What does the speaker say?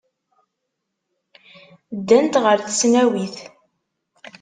Ddant ɣer tesnawit.